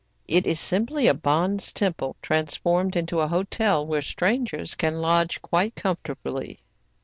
It is simply a bonze temple transformed into a hotel, where strangers can lodge quite comfortably.